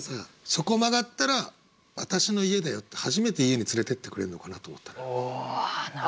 「そこ曲がったら私の家だよ」って初めて家に連れてってくれるのかなと思ったの。